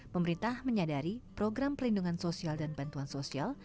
pemerintah menyadari program perlindungan sosial dan bantuan sosial